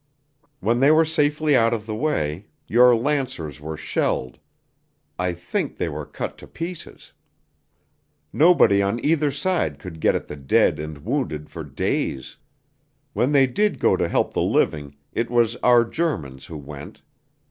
When they were safely out of the way, your lancers were shelled. I think they were cut to pieces. Nobody on either side could get at the dead and wounded for days. When they did go to help the living, it was our Germans who went.